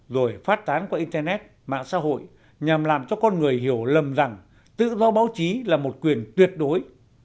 rồi phát tán qua internet mạng xã hội nhằm làm cho con người hiểu lầm rằng tự do báo chí là một quyền tuyệt đối